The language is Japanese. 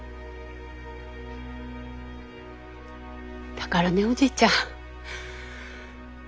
だからねおじいちゃん。